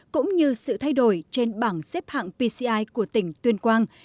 cũng như sự thay đổi trên bảng xếp hạng pci của tỉnh tuyên quang